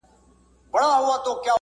بايد ځینو کسانو، مشرانو، استادانو